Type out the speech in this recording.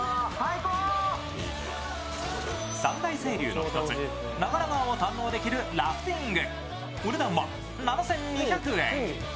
三大清流の一つ、長良川を堪能できるラフティング。